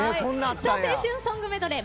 青春ソングメドレー